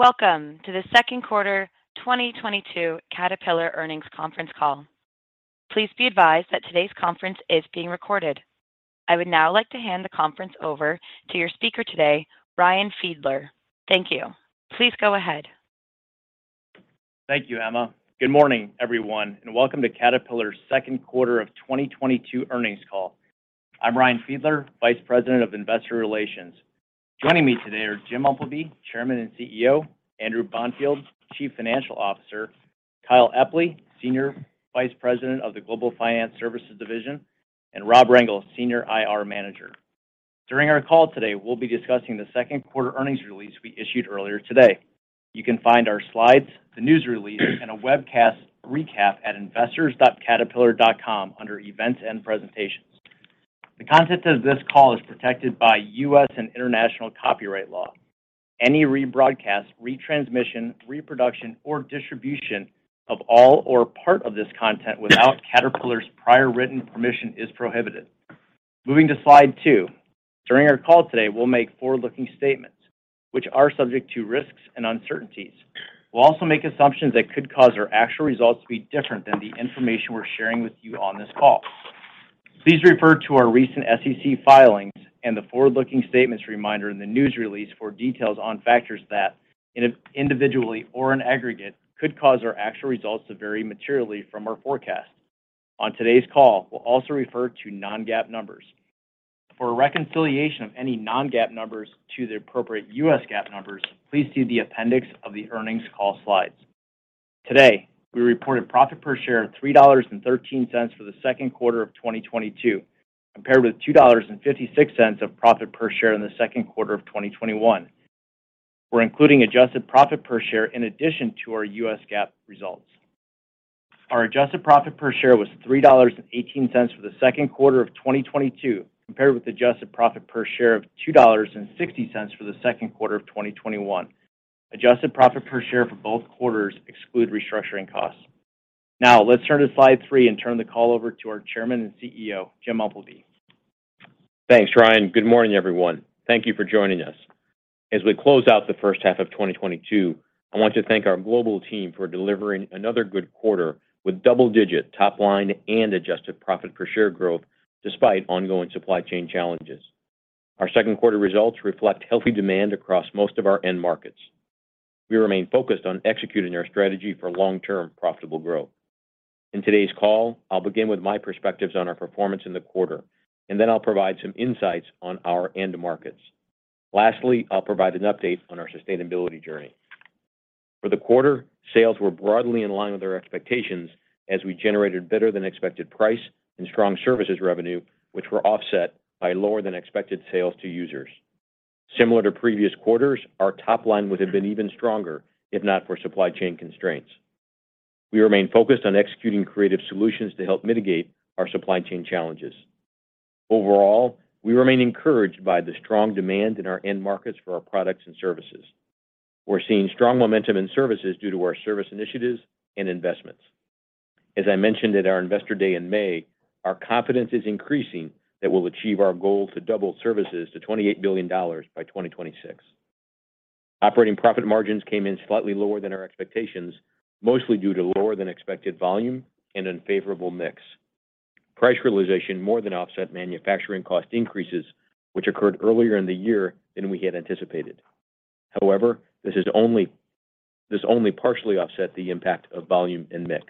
Welcome to the Second Quarter 2022 Caterpillar Earnings Conference Call. Please be advised that today's conference is being recorded. I would now like to hand the conference over to your speaker today, Ryan Fiedler. Thank you. Please go ahead. Thank you Emma. Good morning everyone and welcome to Caterpillar's second quarter of 2022 earnings call. I'm Ryan Fiedler, Vice President of Investor Relations. Joining me today are Jim Umpleby; Chairman and CEO, Andrew Bonfield; Chief Financial Officer; Kyle Epley, Senior Vice President of the Global Finance Services Division, and Rob Rengel; Senior IR Manager. During our call today, we'll be discussing the second quarter earnings release we issued earlier today. You can find our slides, the news release, and a webcast recap at investors.caterpillar.com under Events and Presentations. The content of this call is protected by U.S. and international copyright law. Any rebroadcast, retransmission, reproduction, or distribution of all or part of this content without Caterpillar's prior written permission is prohibited. Moving to slide two. During our call today, we'll make forward-looking statements which are subject to risks and uncertainties. We'll also make assumptions that could cause our actual results to be different than the information we're sharing with you on this call. Please refer to our recent SEC filings and the forward-looking statements reminder in the news release for details on factors that individually or in aggregate could cause our actual results to vary materially from our forecast. On today's call, we'll also refer to non-GAAP numbers. For a reconciliation of any non-GAAP numbers to the appropriate U.S. GAAP numbers, please see the appendix of the earnings call slides. Today, we reported profit per share of $3.13 for the second quarter of 2022, compared with $2.56 of profit per share in the second quarter of 2021. We're including adjusted profit per share in addition to our U.S. GAAP results. Our adjusted profit per share was $3.18 for the second quarter of 2022, compared with adjusted profit per share of $2.60 for the second quarter of 2021. Adjusted profit per share for both quarters exclude restructuring costs. Now, let's turn to slide three and turn the call over to our Chairman and CEO, Jim Umpleby. Thanks Ryan. Good morning everyone, thank you for joining us. As we close out the first half of 2022, I want to thank our global team for delivering another good quarter with double-digit top line and adjusted profit per share growth despite ongoing supply chain challenges. Our second quarter results reflect healthy demand across most of our end markets. We remain focused on executing our strategy for long-term profitable growth. In today's call, I'll begin with my perspectives on our performance in the quarter, and then I'll provide some insights on our end markets. Lastly, I'll provide an update on our sustainability journey. For the quarter, sales were broadly in line with our expectations as we generated better than expected price and strong services revenue, which were offset by lower than expected sales to users. Similar to previous quarters, our top line would have been even stronger if not for supply chain constraints. We remain focused on executing creative solutions to help mitigate our supply chain challenges. Overall, we remain encouraged by the strong demand in our end markets for our products and services. We're seeing strong momentum in services due to our service initiatives and investments. As I mentioned at our Investor Day in May, our confidence is increasing that we'll achieve our goal to double services to $28 billion by 2026. Operating profit margins came in slightly lower than our expectations, mostly due to lower than expected volume and unfavorable mix. Price realization more than offset manufacturing cost increases, which occurred earlier in the year than we had anticipated. However, this only partially offset the impact of volume and mix.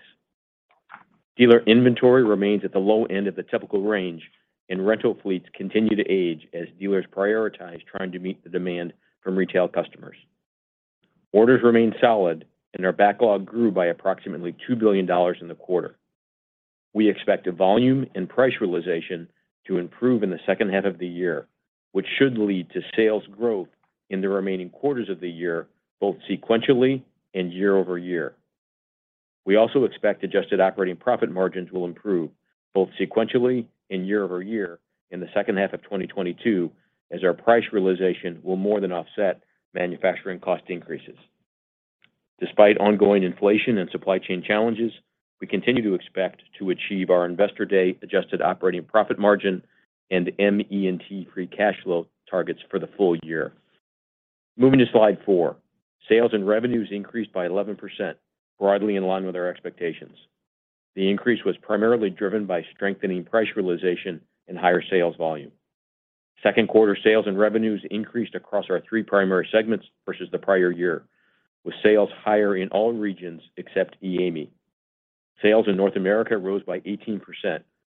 Dealer inventory remains at the low end of the typical range and rental fleets continue to age as dealers prioritize trying to meet the demand from retail customers. Orders remain solid and our backlog grew by approximately $2 billion in the quarter. We expect the volume and price realization to improve in the second half of the year, which should lead to sales growth in the remaining quarters of the year, both sequentially and year-over-year. We also expect adjusted operating profit margins will improve both sequentially and year-over-year in the second half of 2022 as our price realization will more than offset manufacturing cost increases. Despite ongoing inflation and supply chain challenges, we continue to expect to achieve our Investor Day adjusted operating profit margin and ME&T free cash flow targets for the full year. Moving to slide four. Sales and revenues increased by 11%, broadly in line with our expectations. The increase was primarily driven by strengthening price realization and higher sales volume. Second quarter sales and revenues increased across our three primary segments versus the prior year, with sales higher in all regions except EAME. Sales in North America rose by 18%,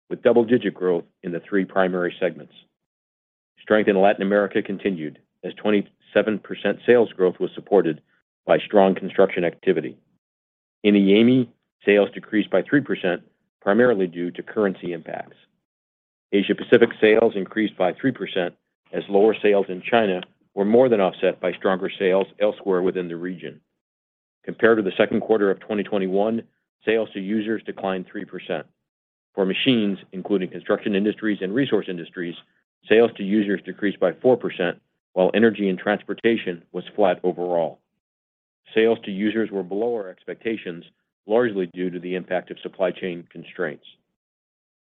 with double-digit growth in the three primary segments. Strength in Latin America continued as 27% sales growth was supported by strong construction activity. In EAME, sales decreased by 3% primarily due to currency impacts. Asia Pacific sales increased by 3% as lower sales in China were more than offset by stronger sales elsewhere within the region. Compared to the second quarter of 2021, sales to users declined 3%. For machines, including Construction Industries and Resource Industries, sales to users decreased by 4%, while Energy & Transportation was flat overall. Sales to users were below our expectations, largely due to the impact of supply chain constraints.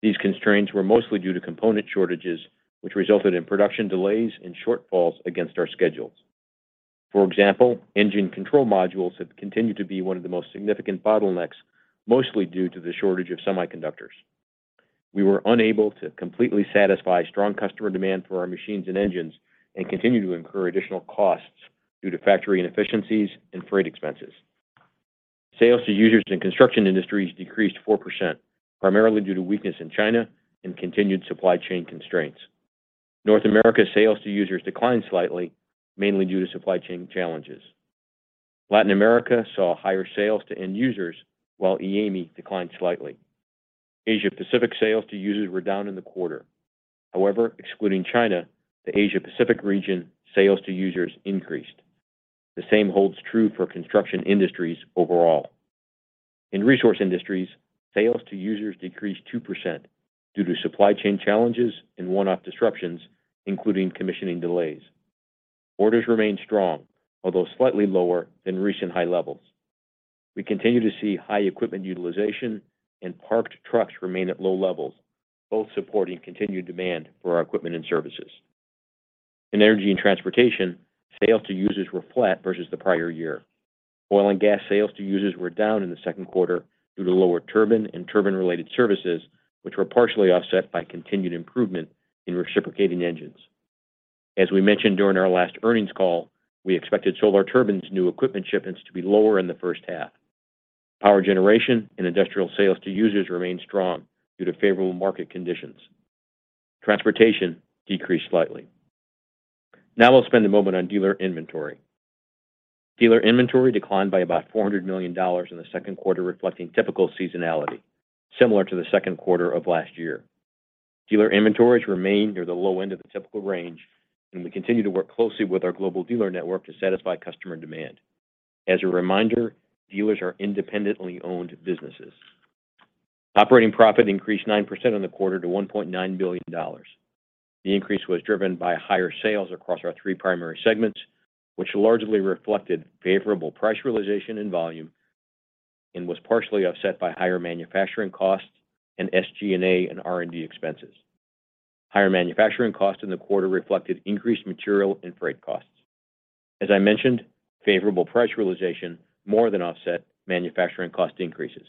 These constraints were mostly due to component shortages which resulted in production delays and shortfalls against our schedules. For example: engine control modules have continued to be one of the most significant bottlenecks mostly due to the shortage of semiconductors. We were unable to completely satisfy strong customer demand for our machines and engines and continue to incur additional costs due to factory inefficiencies and freight expenses. Sales to users in Construction Industries decreased 4%, primarily due to weakness in China and continued supply chain constraints. North America sales to users declined slightly, mainly due to supply chain challenges. Latin America saw higher sales to end users while EAME declined slightly. Asia Pacific sales to users were down in the quarter. However, excluding China, the Asia Pacific region sales to users increased. The same holds true for Construction Industries overall. In Resource Industries, sales to users decreased 2% due to supply chain challenges and one-off disruptions, including commissioning delays. Orders remain strong, although slightly lower than recent high levels. We continue to see high equipment utilization and parked trucks remain at low levels both supporting continued demand for our equipment and services. In Energy & Transportation, sales to users were flat versus the prior year. Oil and gas sales to users were down in the second quarter due to lower turbine and turbine-related services which were partially offset by continued improvement in reciprocating engines. As we mentioned during our last earnings call, we expected Solar Turbines new equipment shipments to be lower in the first half. Power generation and industrial sales to users remain strong due to favorable market condition, transportation decreased slightly. Now we'll spend a moment on dealer inventory. Dealer inventory declined by about $400 million in the second quarter reflecting typical seasonality similar to the second quarter of last year. Dealer inventories remain near the low end of the typical range, and we continue to work closely with our global dealer network to satisfy customer demand. As a reminder, dealers are independently owned businesses. Operating profit increased 9% in the quarter to $1.9 billion. The increase was driven by higher sales across our three primary segments which largely reflected favorable price realization and volume and was partially offset by higher manufacturing costs and SG&A and R&D expenses. Higher manufacturing cost in the quarter reflected increased material and freight costs. As I mentioned, favorable price realization more than offset manufacturing cost increases.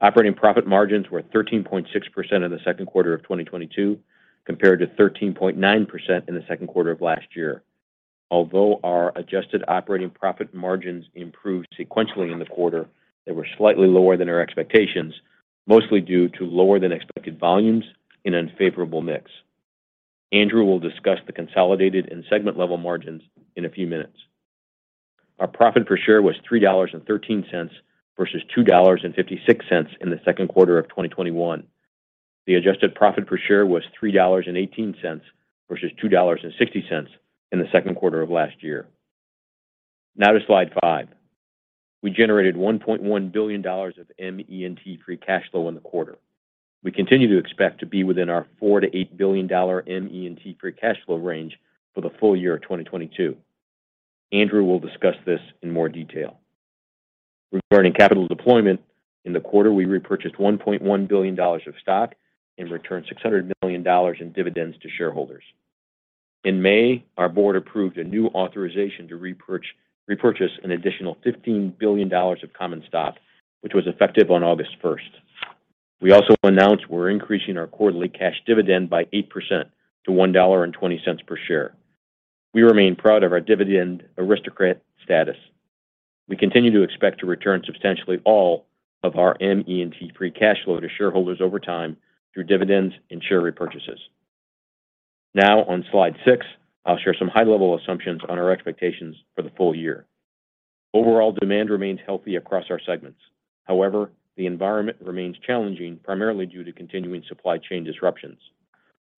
Operating profit margins were 13.6% in the second quarter of 2022 compared to 13.9% in the second quarter of last year. Although our adjusted operating profit margins improved sequentially in the quarter they were slightly lower than our expectations mostly due to lower than expected volumes and unfavorable mix. Andrew will discuss the consolidated and segment-level margins in a few minutes. Our profit per share was $3.13 versus $2.56 in the second quarter of 2021. The adjusted profit per share was $3.18 versus $2.60 in the second quarter of last year. Now to slide five. We generated $1.1 billion of ME&T free cash flow in the quarter. We continue to expect to be within our $4 billion-$8 billion ME&T free cash flow range for the full year of 2022. Andrew will discuss this in more detail. Regarding capital deployment, in the quarter we repurchased $1.1 billion of stock and returned $600 million in dividends to shareholders. In May, our board approved a new authorization to repurchase an additional $15 billion of common stock which was effective on August 1. We also announced we're increasing our quarterly cash dividend by 8% to $1.20 per share. We remain proud of our Dividend Aristocrat status. We continue to expect to return substantially all of our ME&T free cash flow to shareholders over time through dividends and share repurchases. Now on slide six, I'll share some high-level assumptions on our expectations for the full year. Overall demand remains healthy across our segments. However, the environment remains challenging primarily due to continuing supply chain disruptions.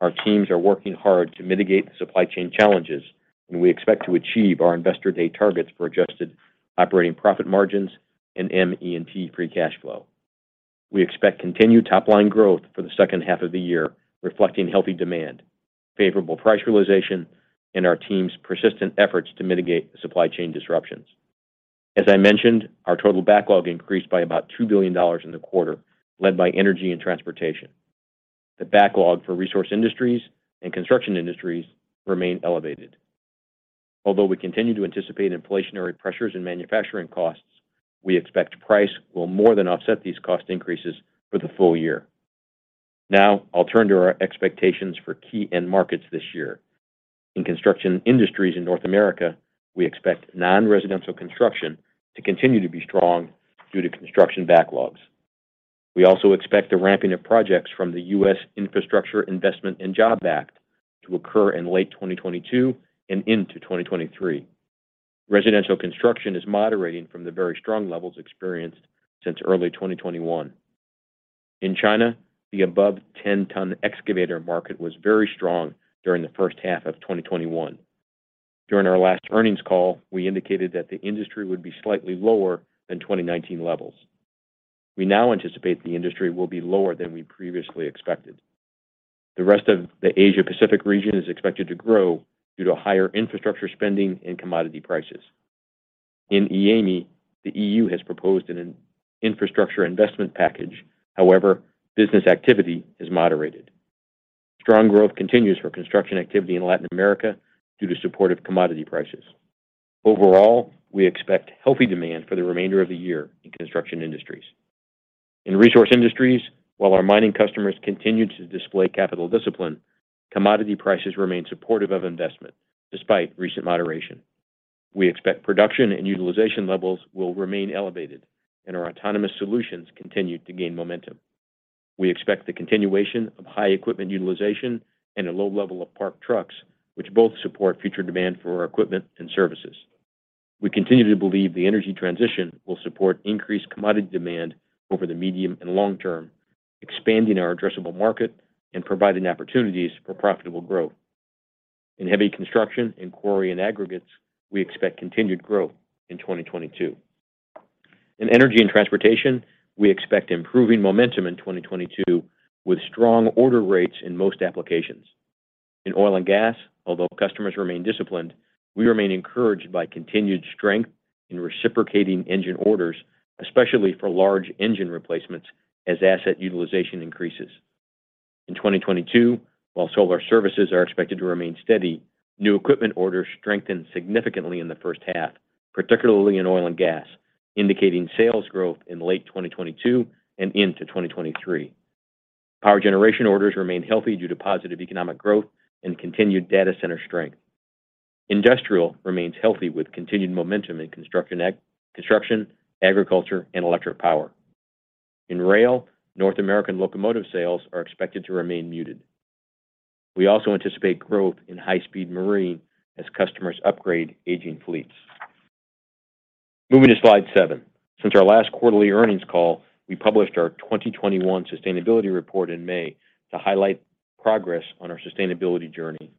Our teams are working hard to mitigate the supply chain challenges and we expect to achieve our Investor Day targets for adjusted operating profit margins and ME&T free cash flow. We expect continued top-line growth for the second half of the year reflecting healthy demand, favorable price realization, and our team's persistent efforts to mitigate the supply chain disruptions. As I mentioned, our total backlog increased by about $2 billion in the quarter, led by energy and transportation. The backlog for Resource Industries and Construction Industries remain elevated. Although we continue to anticipate inflationary pressures in manufacturing costs, we expect price will more than offset these cost increases for the full year. Now I'll turn to our expectations for key end markets this year. In Construction Industries in North America, we expect non-residential construction to continue to be strong due to construction backlogs. We also expect the ramping of projects from the U.S. Infrastructure Investment and Jobs Act to occur in late 2022 and into 2023. Residential construction is moderating from the very strong levels experienced since early 2021. In China, the above 10-ton excavator market was very strong during the first half of 2021. During our last earnings call, we indicated that the industry would be slightly lower than 2019 levels. We now anticipate the industry will be lower than we previously expected. The rest of the Asia Pacific region is expected to grow due to higher infrastructure spending and commodity prices. In EAME, the EU has proposed an infrastructure investment package. However, business activity is moderated. Strong growth continues for construction activity in Latin America due to supportive commodity prices. Overall, we expect healthy demand for the remainder of the year in Construction Industries. In Resource Industries, while our mining customers continue to display capital discipline commodity prices remain supportive of investment despite recent moderation. We expect production and utilization levels will remain elevated and our autonomous solutions continue to gain momentum. We expect the continuation of high equipment utilization and a low level of parked trucks which both support future demand for our equipment and services. We continue to believe the energy transition will support increased commodity demand over the medium and long term, expanding our addressable market and providing opportunities for profitable growth. In heavy construction and quarry and aggregates, we expect continued growth in 2022. In Energy & Transportation, we expect improving momentum in 2022 with strong order rates in most applications. In oil and gas, although customers remain disciplined, we remain encouraged by continued strength in reciprocating engine orders, especially for large engine replacements as asset utilization increases. In 2022, while solar services are expected to remain steady new equipment orders strengthened significantly in the first half particularly in oil and gas indicating sales growth in late 2022 and into 2023. Power generation orders remain healthy due to positive economic growth and continued data center strength. Industrial remains healthy with continued momentum in construction, agriculture and electric power. In rail, North American locomotive sales are expected to remain muted. We also anticipate growth in high-speed marine as customers upgrade aging fleets. Moving to slide seven. Since our last quarterly earnings call, we published our 2021 sustainability report in May to highlight progress on our sustainability journey.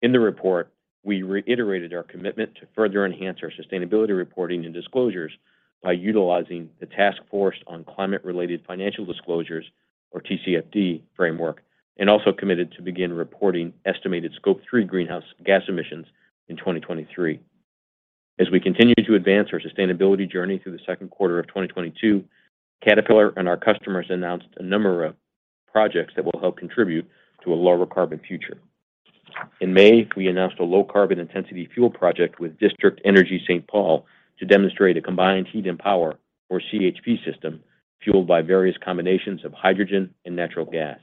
In the report, we reiterated our commitment to further enhance our sustainability reporting and disclosures by utilizing the Task Force on Climate-related Financial Disclosures, or TCFD framework and also committed to begin reporting estimated Scope 3 greenhouse gas emissions in 2023. As we continue to advance our sustainability journey through the second quarter of 2022, Caterpillar and our customers announced a number of projects that will help contribute to a lower carbon future. In May, we announced a low carbon intensity fuel project with District Energy St. Paul to demonstrate a combined heat and power or CHP system fueled by various combinations of hydrogen and natural gas.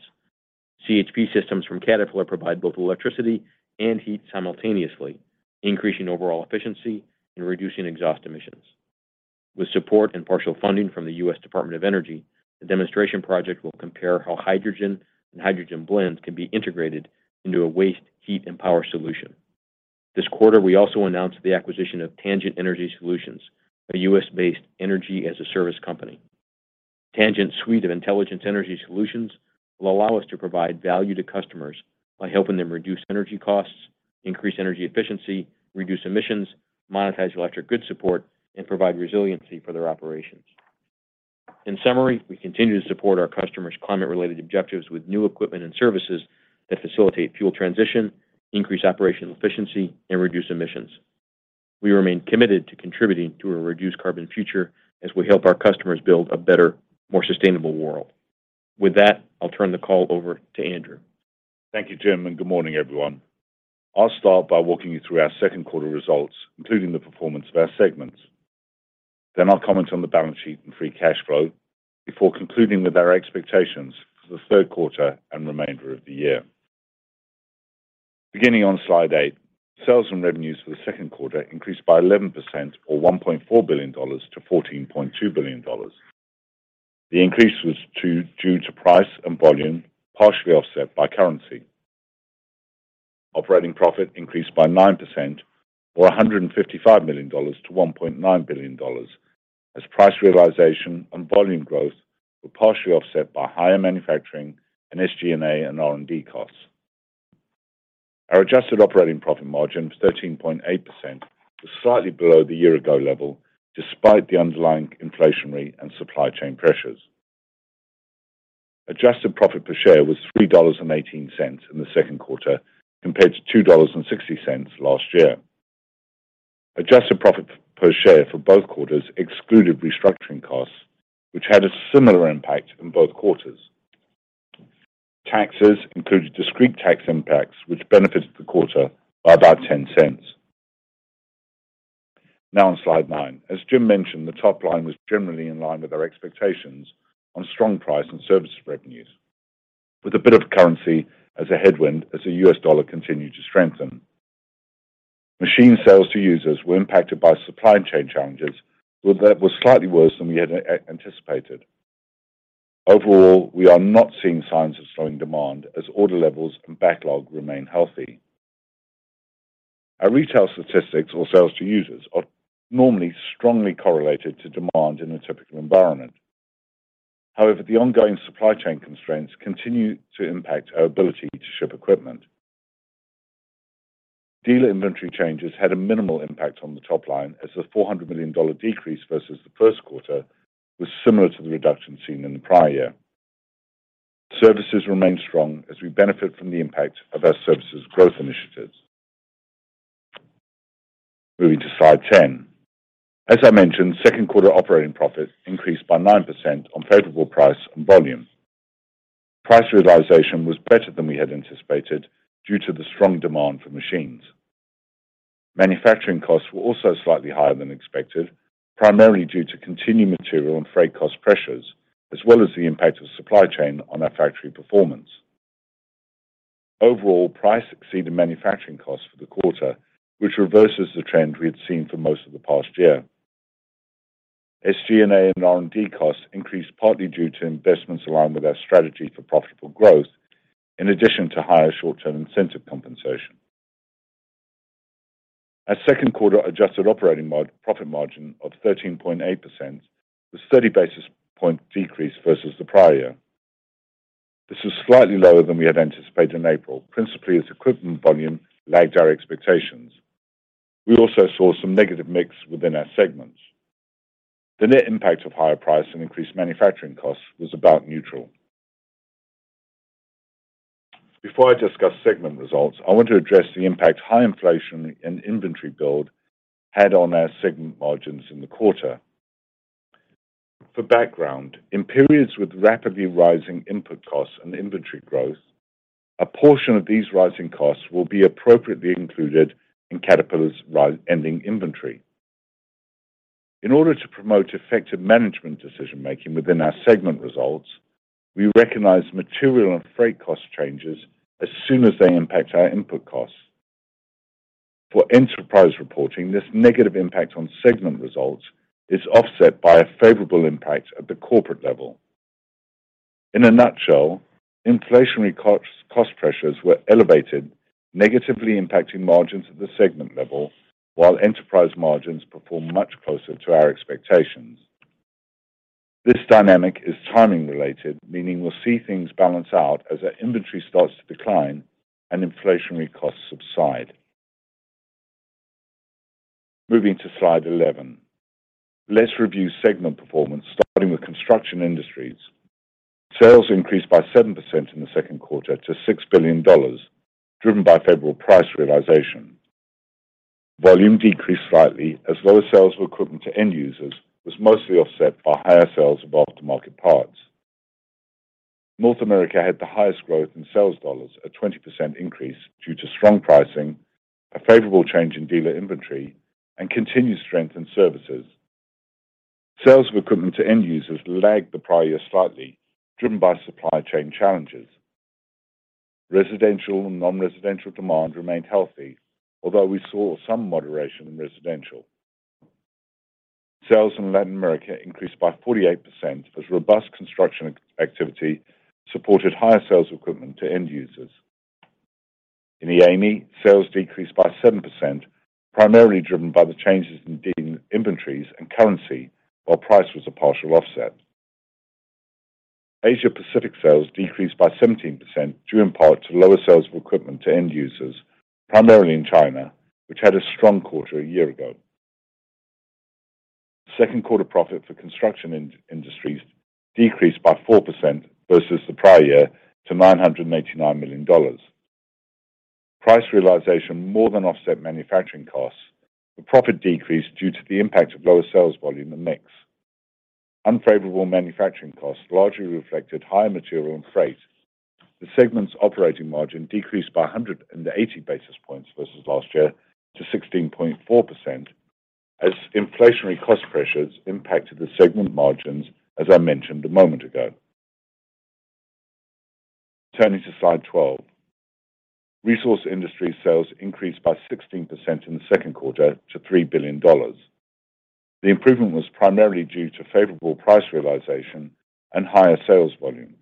CHP systems from Caterpillar provide both electricity and heat simultaneously increasing overall efficiency and reducing exhaust emissions. With support and partial funding from the U.S. Department of Energy, the demonstration project will compare how hydrogen and hydrogen blends can be integrated into a waste heat and power solution. This quarter, we also announced the acquisition of Tangent Energy Solutions, a U.S.-based energy-as-a-service company. Tangent's suite of intelligent energy solutions will allow us to provide value to customers by helping them reduce energy costs, increase energy efficiency, reduce emissions, monetize electric grid support, and provide resiliency for their operations. In summary, we continue to support our customers' climate-related objectives with new equipment and services that facilitate fuel transition, increase operational efficiency, and reduce emissions. We remain committed to contributing to a reduced carbon future as we help our customers build a better, more sustainable world. With that, I'll turn the call over to Andrew. Thank you Jim and good morning everyone. I'll start by walking you through our second quarter results including the performance of our segments. I'll comment on the balance sheet and free cash flow before concluding with our expectations for the third quarter and remainder of the year. Beginning on slide eight, sales and revenues for the second quarter increased by 11% or $1.4 billion to $14.2 billion. The increase was due to price and volume partially offset by currency. Operating profit increased by 9% or $155 million to $1.9 billion as price realization and volume growth were partially offset by higher manufacturing and SG&A and R&D costs. Our adjusted operating profit margin of 13.8% was slightly below the year ago level despite the underlying inflationary and supply chain pressures. Adjusted profit per share was $3.18 in the second quarter compared to $2.60 last year. Adjusted profit per share for both quarters excluded restructuring costs which had a similar impact in both quarters. Taxes included discrete tax impacts which benefited the quarter by about $0.10. Now on slide nine. As Jim mentioned, the top line was generally in line with our expectations on strong price and services revenues with a bit of currency as a headwind as the U.S. dollar continued to strengthen. Machine sales to users were impacted by supply chain challenges. Well, that was slightly worse than we had anticipated. Overall, we are not seeing signs of slowing demand as order levels and backlog remain healthy. Our retail statistics or sales to users are normally strongly correlated to demand in a typical environment. However, the ongoing supply chain constraints continue to impact our ability to ship equipment. Dealer inventory changes had a minimal impact on the top line as the $400 million decrease versus the first quarter was similar to the reduction seen in the prior year. Services remain strong as we benefit from the impact of our services growth initiatives. Moving to slide 10. As I mentioned, second quarter operating profit increased by 9% on favorable price and volume. Price realization was better than we had anticipated due to the strong demand for machines. Manufacturing costs were also slightly higher than expected, primarily due to continued material and freight cost pressures as well as the impact of supply chain on our factory performance. Overall, price exceeded manufacturing costs for the quarter which reverses the trend we had seen for most of the past year. SG&A and R&D costs increased partly due to investments along with our strategy for profitable growth, in addition to higher short-term incentive compensation. Our second quarter adjusted operating profit margin of 13.8% was 30 basis point decrease versus the prior year. This was slightly lower than we had anticipated in April principally as equipment volume lagged our expectations. We also saw some negative mix within our segments. The net impact of higher price and increased manufacturing costs was about neutral. Before I discuss segment results, I want to address the impact high inflation and inventory build had on our segment margins in the quarter. For background, in periods with rapidly rising input costs and inventory growth, a portion of these rising costs will be appropriately included in Caterpillar's ending inventory. In order to promote effective management decision-making within our segment results, we recognize material and freight cost changes as soon as they impact our input costs. For enterprise reporting, this negative impact on segment results is offset by a favorable impact at the corporate level. In a nutshell, inflationary cost pressures were elevated negatively impacting margins at the segment level while enterprise margins performed much closer to our expectations. This dynamic is timing related, meaning we'll see things balance out as our inventory starts to decline and inflationary costs subside. Moving to slide 11. Let's review segment performance, starting with Construction Industries. Sales increased by 7% in the second quarter to $6 billion driven by favorable price realization. Volume decreased slightly as lower sales of equipment to end users was mostly offset by higher sales of aftermarket parts. North America had the highest growth in sales dollars a 20% increase due to strong pricing, a favorable change in dealer inventory, and continued strength in services. Sales of equipment to end users lagged the prior year slightly driven by supply chain challenges. Residential and non-residential demand remained healthy although we saw some moderation in residential. Sales in Latin America increased by 48% as robust construction activity supported higher sales of equipment to end users. In EAME, sales decreased by 7% primarily driven by the changes in dealer inventories and currency while price was a partial offset. Asia Pacific sales decreased by 17% due in part to lower sales of equipment to end users primarily in China which had a strong quarter a year ago. Second quarter profit for Construction Industries decreased by 4% versus the prior year to $989 million. Price realization more than offset manufacturing costs. The profit decreased due to the impact of lower sales volume and mix. Unfavorable manufacturing costs largely reflected higher material and freight. The segment's operating margin decreased by 100 basis points versus last year to 16.4% as inflationary cost pressures impacted the segment margins as I mentioned a moment ago. Turning to slide 12. Resource Industries sales increased by 16% in the second quarter to $3 billion. The improvement was primarily due to favorable price realization and higher sales volume.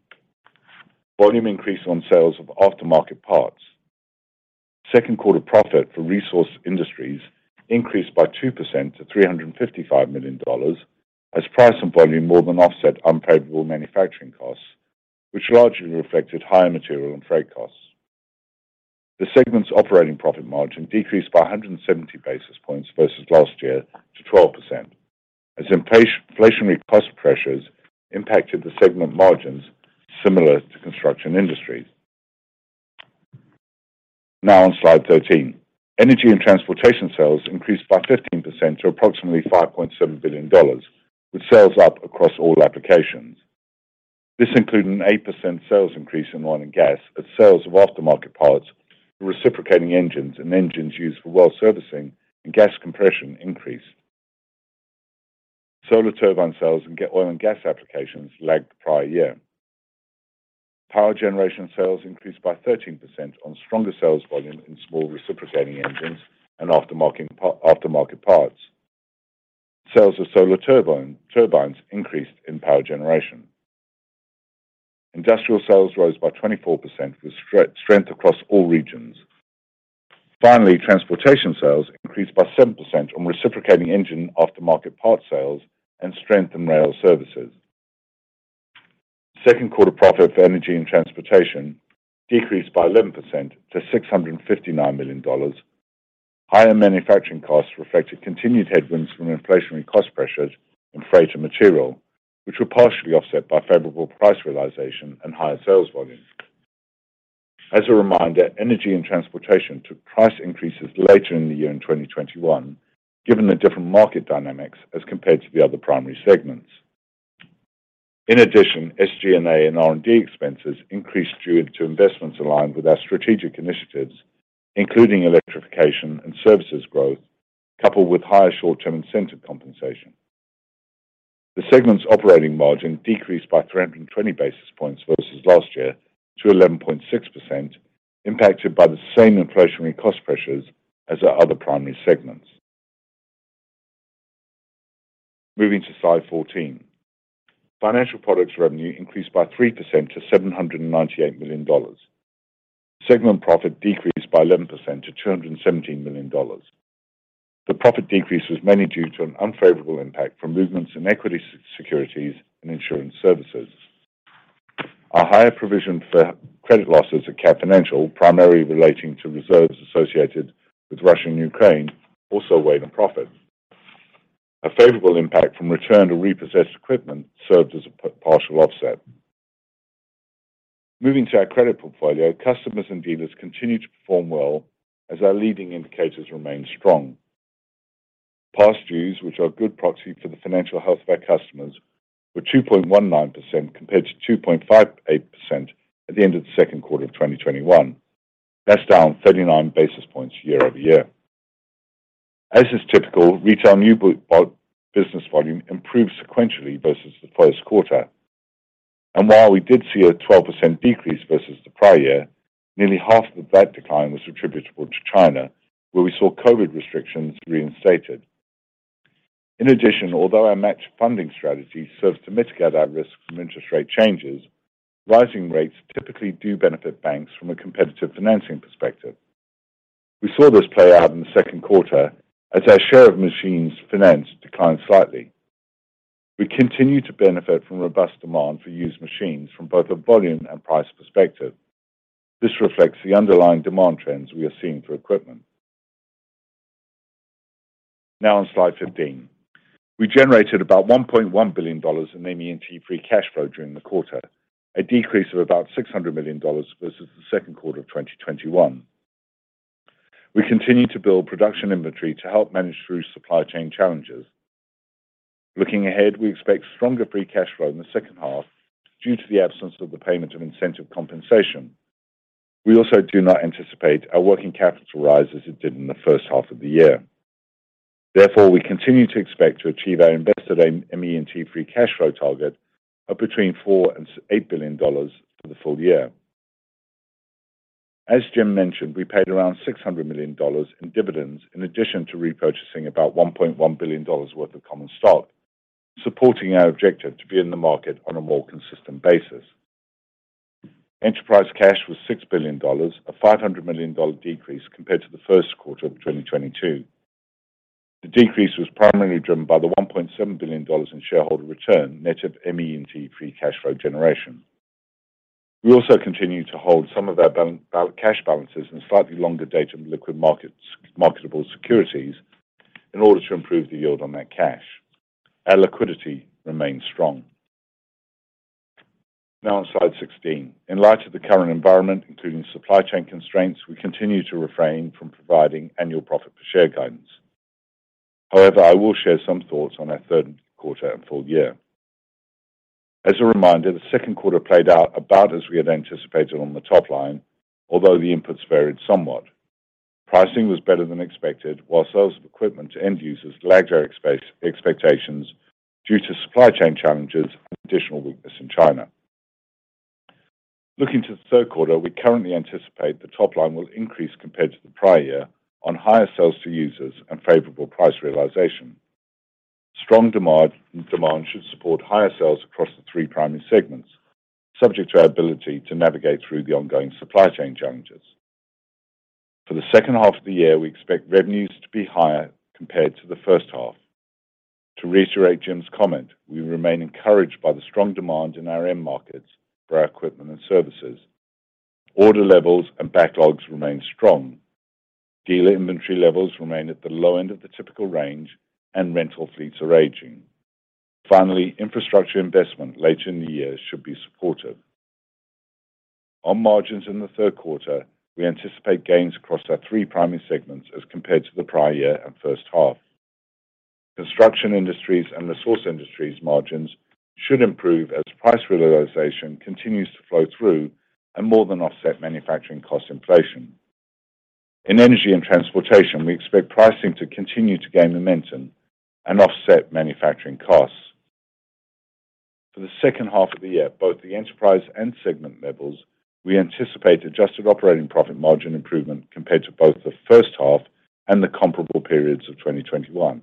Volume increased on sales of aftermarket parts. Second quarter profit for Resource Industries increased by 2% to $355 million as price and volume more than offset unfavorable manufacturing costs which largely reflected higher material and freight costs. The segment's operating profit margin decreased by 170 basis points versus last year to 12% as inflationary cost pressures impacted the segment margins similar to Construction Industries. Now on slide 13. Energy & Transportation sales increased by 15% to approximately $5.7 billion with sales up across all applications. This included an 8% sales increase in oil and gas as sales of aftermarket parts for reciprocating engines and engines used for well servicing and gas compression increased. Solar Turbines sales in oil and gas applications lagged the prior year. Power generation sales increased by 13% on stronger sales volume in small reciprocating engines and aftermarket parts. Sales of Solar Turbines increased in power generation. Industrial sales rose by 24% with strength across all regions. Finally, transportation sales increased by 7% on reciprocating engine aftermarket parts sales and strength in rail services. Second quarter profit for Energy & Transportation decreased by 11% to $659 million. Higher manufacturing costs reflected continued headwinds from inflationary cost pressures in freight and material which were partially offset by favorable price realization and higher sales volume. As a reminder, Energy & Transportation took price increases later in the year in 2021 given the different market dynamics as compared to the other primary segments. In addition, SG&A and R&D expenses increased due to investments aligned with our strategic initiatives including electrification and services growth, coupled with higher short-term incentive compensation. The segment's operating margin decreased by 320 basis points versus last year to 11.6% impacted by the same inflationary cost pressures as our other primary segments. Moving to slide 14. Financial products revenue increased by 3% to $798 million. Segment profit decreased by 11% to $217 million. The profit decrease was mainly due to an unfavorable impact from movements in equity securities and insurance services. Our higher provision for credit losses at Cat Financial primarily relating to reserves associated with Russia and Ukraine also weighed on profit. A favorable impact from return to repossessed equipment served as a partial offset. Moving to our credit portfolio, customers and dealers continue to perform well as our leading indicators remain strong. Past dues which are a good proxy for the financial health of our customers were 2.19% compared to 2.58% at the end of the second quarter of 2021 that's down 39 basis points year-over-year. As is typical, retail new business volume improved sequentially versus the first quarter. While we did see a 12% decrease versus the prior year nearly half of that decline was attributable to China where we saw COVID restrictions reinstated. In addition, although our match funding strategy serves to mitigate our risks from interest rate changes, rising rates typically do benefit banks from a competitive financing perspective. We saw this play out in the second quarter as our share of machines financed declined slightly. We continue to benefit from robust demand for used machines from both a volume and price perspective. This reflects the underlying demand trends we are seeing for equipment. Now on slide 15. We generated about $1.1 billion in ME&T free cash flow during the quarter, a decrease of about $600 million versus the second quarter of 2021. We continue to build production inventory to help manage through supply chain challenges. Looking ahead, we expect stronger free cash flow in the second half due to the absence of the payment of incentive compensation. We also do not anticipate our working capital rise as it did in the first half of the year. Therefore, we continue to expect to achieve our invested ME&T free cash flow target of between $4 billion and $8 billion for the full year. As Jim mentioned, we paid around $600 million in dividends in addition to repurchasing about $1.1 billion worth of common stock, supporting our objective to be in the market on a more consistent basis. Enterprise cash was $6 billion, a $500 million decrease compared to the first quarter of 2022. The decrease was primarily driven by the $1.7 billion in shareholder return, a net of ME&T free cash flow generation. We also continue to hold some of our balances in slightly longer-date marketable securities in order to improve the yield on that cash. Our liquidity remains strong. Now on slide 16. In light of the current environment including supply chain constraints, we continue to refrain from providing annual profit per share guidance. However, I will share some thoughts on our third quarter and full year. As a reminder, the second quarter played out about as we had anticipated on the top line although the inputs varied somewhat. Pricing was better than expected while sales of equipment to end users lagged our expectations due to supply chain challenges and additional weakness in China. Looking to the third quarter, we currently anticipate the top line will increase compared to the prior year on higher sales to users and favorable price realization. Strong demand should support higher sales across the three primary segments, subject to our ability to navigate through the ongoing supply chain challenges. For the second half of the year, we expect revenues to be higher compared to the first half. To reiterate Jim's comment, we remain encouraged by the strong demand in our end markets for our equipment and services. Order levels and backlogs remain strong. Dealer inventory levels remain at the low end of the typical range and rental fleets are aging. Finally, infrastructure investment later in the year should be supportive. On margins in the third quarter, we anticipate gains across our three primary segments as compared to the prior year and first half. Construction Industries and Resource Industries margins should improve as price realization continues to flow through and more than offset manufacturing cost inflation. In Energy & Transportation, we expect pricing to continue to gain momentum and offset manufacturing costs. For the second half of the year, both the enterprise and segment levels, we anticipate adjusted operating profit margin improvement compared to both the first half and the comparable periods of 2021.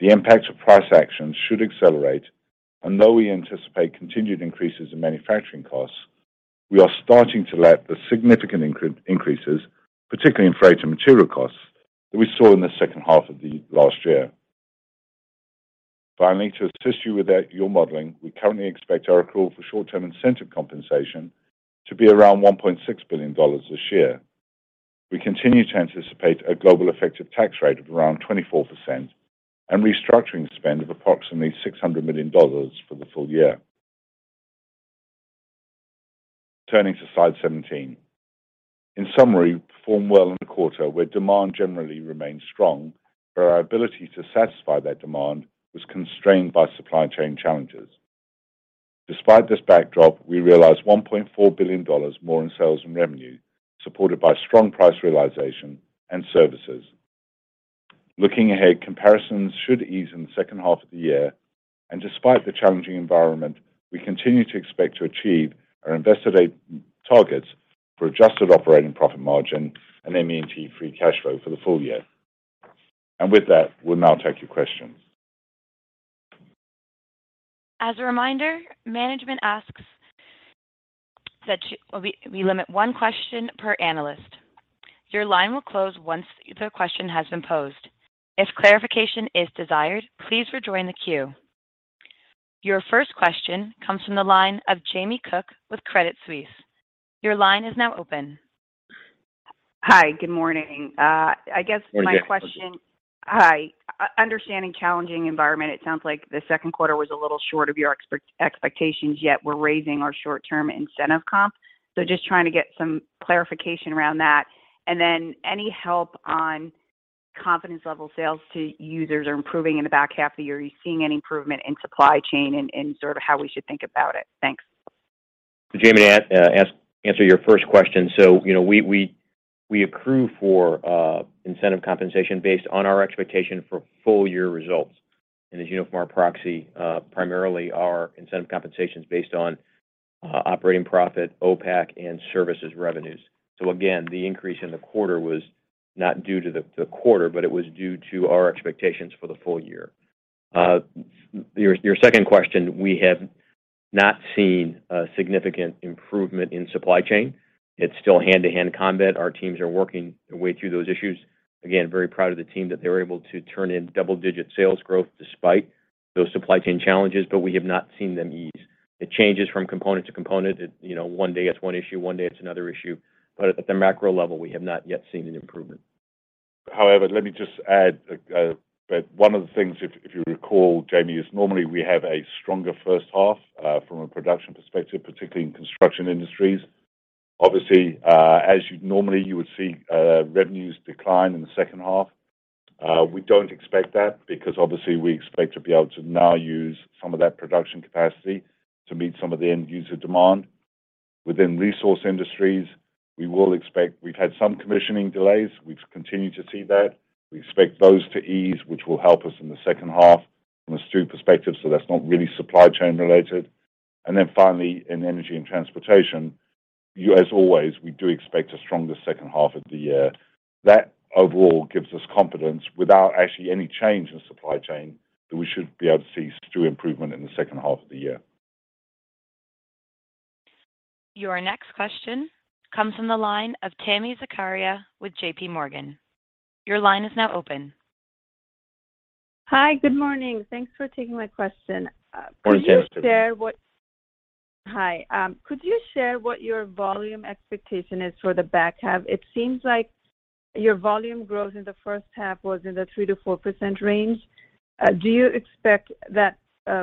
The impact of price actions should accelerate knowing we anticipate continued increases in manufacturing costs, we are starting to lap the significant increases particularly in freight and material costs that we saw in the second half of the last year. Finally, to assist you with that, your modeling we currently expect our accrual for short-term incentive compensation to be around $1.6 billion this year. We continue to anticipate a global effective tax rate of around 24% and restructuring spend of approximately $600 million for the full year. Turning to slide 17. In summary, we performed well in the quarter where demand generally remained strong but our ability to satisfy that demand was constrained by supply chain challenges. Despite this backdrop, we realized $1.4 billion more in sales and revenue, supported by strong price realization and services. Looking ahead, comparisons should ease in the second half of the year. Despite the challenging environment, we continue to expect to achieve our invested targets for adjusted operating profit margin and ME&T free cash flow for the full year. With that, we'll now take your questions. As a reminder, management asks that we limit one question per analyst. Your line will close once the question has been posed. If clarification is desired, please rejoin the queue. Your first question comes from the line of Jamie Cook with Credit Suisse. Your line is now open. Hi good morning. I guess my question— Good day. Hi. Understanding challenging environment it sounds like the second quarter was a little short of your expectations yet we're raising our short-term incentive comp. Just trying to get some clarification around that. Any help on confidence level sales to users are improving in the back half of the year. Are you seeing any improvement in supply chain and sort of how we should think about it? Thanks. Jamie to answer your first question. We accrue for incentive compensation based on our expectation for full-year results. As you know from our proxy, primarily our incentive compensation is based on operating profit, OPACC, and services revenues. Again, the increase in the quarter was not due to the quarter but it was due to our expectations for the full year. Your second question, we have not seen a significant improvement in supply chain it's still hand-to-hand combat. Our teams are working their way through those issues. Again, very proud of the team that they were able to turn in double-digit sales growth despite those supply chain challenges but we have not seen them ease. It changes from component to component it, one day it's one issue, one day it's another issue. At the macro level, we have not yet seen an improvement. However, let me just add that one of the things if you recall, Jamie, is normally we have a stronger first half from a production perspective, particularly in Construction Industries. Obviously, as you normally would see, revenues decline in the second half. We don't expect that because obviously we expect to be able to now use some of that production capacity to meet some of the end user demand. Within Resource Industries, we've had some commissioning delays. We continue to see that, we expect those to ease which will help us in the second half from a STU perspective so that's not really supply chain related. Then finally, in Energy & Transportation, as always we do expect a stronger second half of the year. That overall gives us confidence without actually any change in supply chain that we should be able to see STU improvement in the second half of the year. Your next question comes from the line of Tami Zakaria with JPMorgan. Your line is now open. Hi, good morning. Thanks for taking my question. Could you share what— Good afternoon. Hi. Could you share what your volume expectation is for the back half? It seems like your volume growth in the first half was in the 3%-4% range. Do you expect that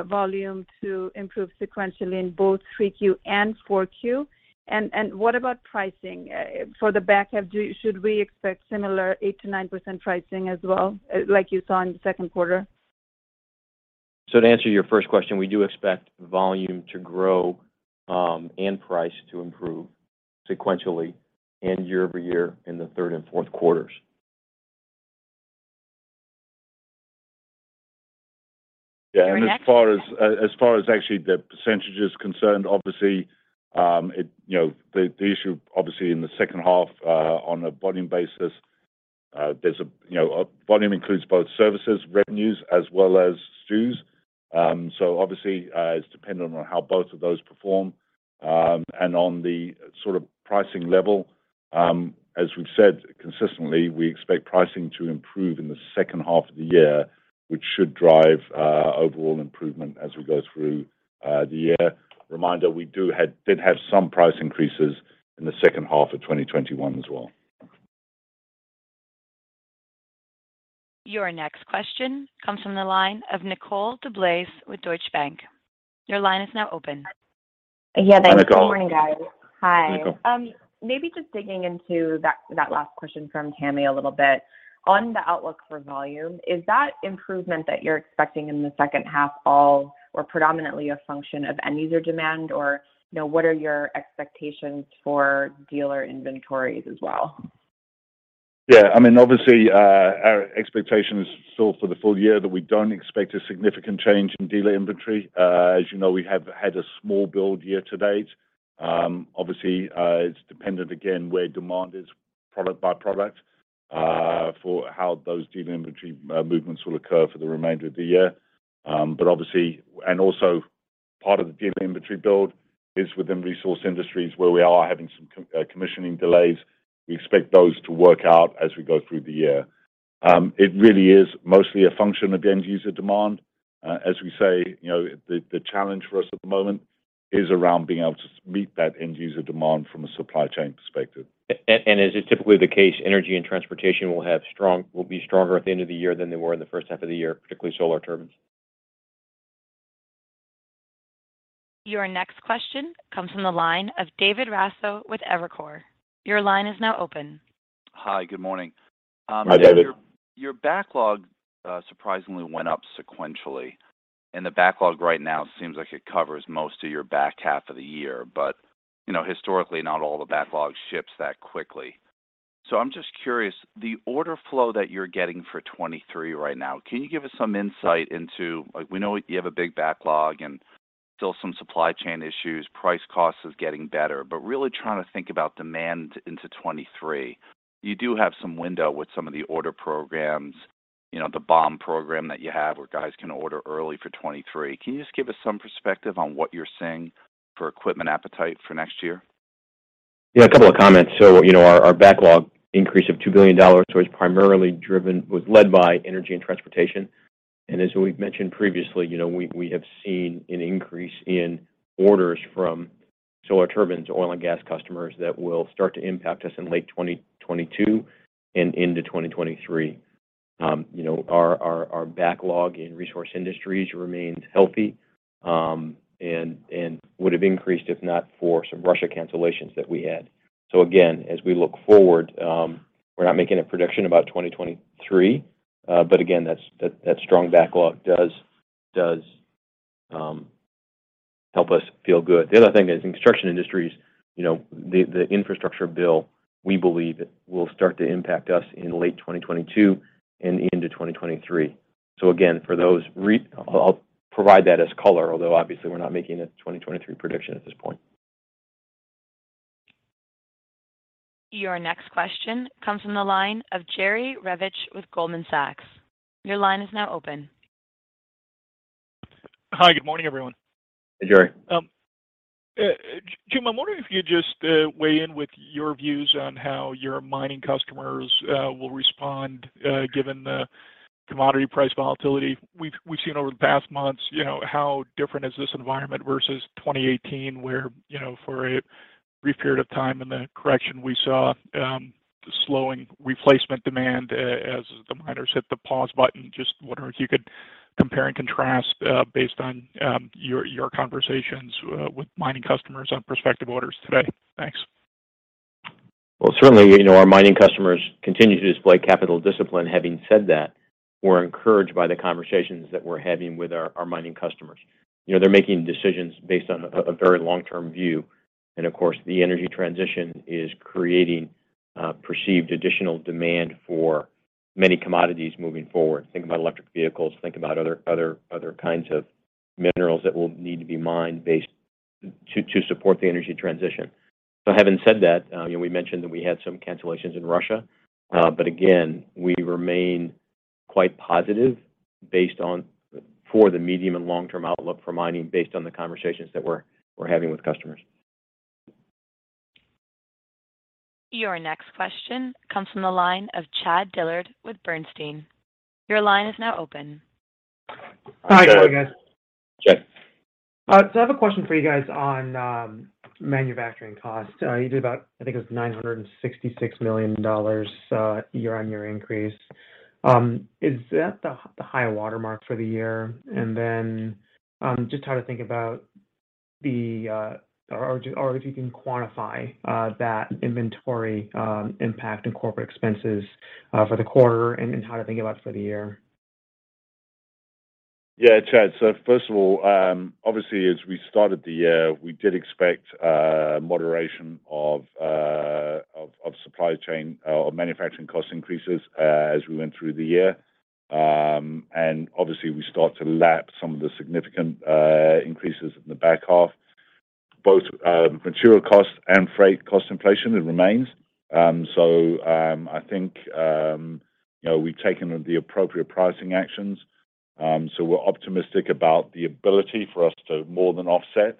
volume to improve sequentially in both 3Q and 4Q? And what about pricing? For the back half, should we expect similar 8%-9% pricing as well, like you saw in the second quarter? To answer your first question, we do expect volume to grow, and price to improve sequentially and year over year in the third and fourth quarters. Your next question. Yeah, as far as actually the percentage is concerned, obviously, the issue, obviously in the second half, on a volume basis, there's volume includes both services revenues, as well as STUs. Obviously, it's dependent on how both of those perform. On the sort of pricing level, as we've said consistently, we expect pricing to improve in the second half of the year which should drive overall improvement as we go through the year. Reminder, we did have some price increases in the second half of 2021 as well. Your next question comes from the line of Nicole DeBlase with Deutsche Bank. Your line is now open. Yeah, thanks. Hi, Nicole. Good morning guys. Hi. Maybe just digging into that last question from Tami a little bit. On the outlook for volume, is that improvement that you're expecting in the second half all or predominantly a function of end user demand? Or what are your expectations for dealer inventories as well? Yeah, I mean obviously, our expectation is still for the full year that we don't expect a significant change in dealer inventory. As you know, we have had a small build year to date. Obviously, it's dependent again where demand is product by product for how those dealer inventory movements will occur for the remainder of the year. Part of the dealer inventory build is within Resource Industries where we are having some commissioning delays. We expect those to work out as we go through the year. It really is mostly a function of the end user demand. As we say, the challenge for us at the moment is around being able to meet that end user demand from a supply chain perspective. As is typically the case, Energy & Transportation will be stronger at the end of the year than they were in the first half of the year particularly Solar Turbines. Your next question comes from the line of David Raso with Evercore. Your line is now open. Hi, good morning. Hi David. Your backlog surprisingly went up sequentially, and the backlog right now seems like it covers most of your back half of the year. Historically, not all the backlog ships that quickly. I'm just curious, the order flow that you're getting for 2023 right now, can you give us some insight into like we know you have a big backlog and still some supply chain issues, price cost is getting better but really trying to think about demand into 2023. You do have some window with some of the order programs, the BOM program that you have where guys can order early for 2023. Can you just give us some perspective on what you're seeing for equipment appetite for next year? Yeah, a couple of comments. Our backlog increase of $2 billion was led by Energy & Transportation. As we've mentioned previously, we have seen an increase in orders from Solar Turbines, oil and gas customers that will start to impact us in late 2022 and into 2023. Our backlog in Resource Industries remains healthy and would have increased if not for some Russia cancellations that we had. Again, as we look forward, we're not making a prediction about 2023 but again that strong backlog does help us feel good. The other thing is in Construction Industries, the infrastructure bill we believe will start to impact us in late 2022 and into 2023. Again, I'll provide that as color although obviously we're not making a 2023 prediction at this point. Your next question comes from the line of Jerry Revich with Goldman Sachs. Your line is now open. Hi, good morning everyone. Hey Jerry. Jim, I'm wondering if you'd just weigh in with your views on how your mining customers will respond given the commodity price volatility we've seen over the past months. How different is this environment versus 2018? Where—for a brief period of time in the correction we saw slowing replacement demand as the miners hit the pause button? Just wondering if you could compare and contrast based on your conversations with mining customers on prospective orders today. Thanks. Well, certainly our mining customers continue to display capital discipline. Having said that, we're encouraged by the conversations that we're having with our mining customers. They're making decisions based on a very long-term view. Of course, the energy transition is creating perceived additional demand for many commodities moving forward. Think about electric vehicles, think about other kinds of minerals that will need to be mined to support the energy transition. Having said that, we mentioned that we had some cancellations in Russia but again we remain quite positive for the medium and long-term outlook for mining based on the conversations that we're having with customers. Your next question comes from the line of Chad Dillard with Bernstein. Your line is now open. Hi. Good morning guys. Chad. I have a question for you guys on manufacturing costs. You did about, I think it was $966 million year-on-year increase. Is that the high watermark for the year? If you can quantify that inventory impact in corporate expenses for the quarter and how to think about for the year? Yeah Chad. First of all, obviously as we started the year we did expect moderation of supply chain and manufacturing cost increases as we went through the year. Obviously we start to lap some of the significant increases in the back half. Both material cost and freight cost inflation remain. I think we've taken the appropriate pricing actions so we're optimistic about the ability for us to more than offset.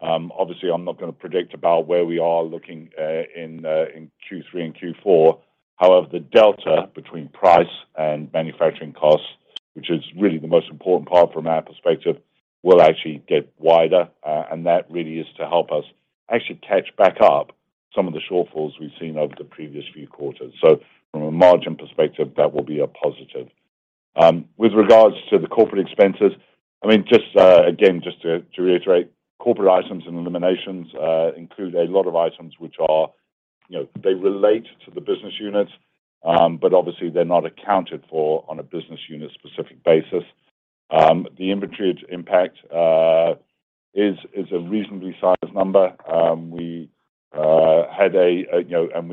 Obviously I'm not gonna predict about where we are looking in Q3 and Q4. However, the delta between price and manufacturing costs which is really the most important part from our perspective, will actually get wider that really is to help us actually catch back up some of the shortfalls we've seen over the previous few quarters. From a margin perspective that will be a positive. With regards to the corporate expenses, I mean just again just to reiterate, corporate items, and eliminations include a lot of items which are they relate to the business units but obviously they're not accounted for on a business unit specific basis. The inventory impact is a reasonably sized number. We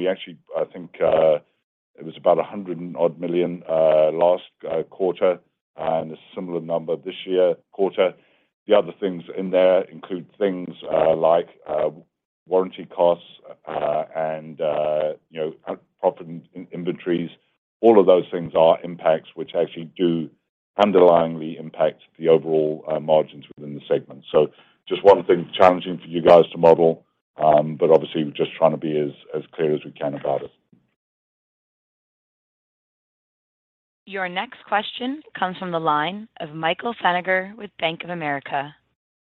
actually, I think it was about $100 million last quarter and a similar number this quarter. The other things in there include things like warranty costs, proper inventories, all of those things are impacts which actually do underlyingly impact the overall margins within the segment. Just one thing challenging for you guys to model but obviously we're just trying to be as clear as we can about it. Your next question comes from the line of Michael Feniger with Bank of America.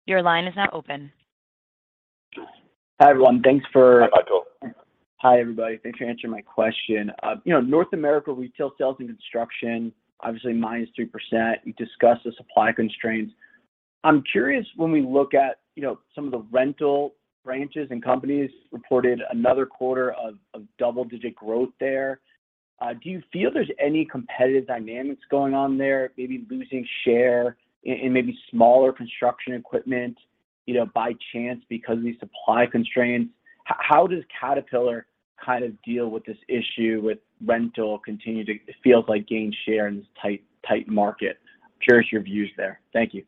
Your line is now open. Hi, everyone. Hi Michael. Hi, everybody, thanks for answering my question. North America retail sales and construction, obviously -3%, you discussed the supply constraints. I'm curious, when we look at some of the rental branches and companies reported another quarter of double-digit growth there? Do you feel there's any competitive dynamics going on there maybe losing share in maybe smaller construction equipment by chance because of these supply constraints? How does Caterpillar kind of deal with this issue with rental continue to—it feels like gain share in this tight market? I'm curious your views there, thank you.